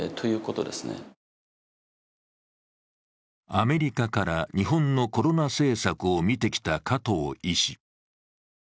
アメリカから日本のコロナ政策を見てきた加藤医師。